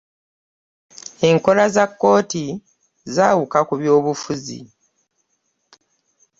Enkola za kkooti zaawuka ku by'obufuzi.